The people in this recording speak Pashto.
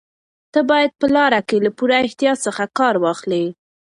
ته باید په لاره کې له پوره احتیاط څخه کار واخلې.